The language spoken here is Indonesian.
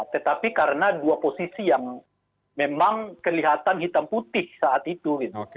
tetapi karena dua posisi yang memang kelihatan hitam putih saat itu